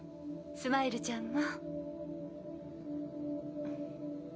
スマイルちゃんも。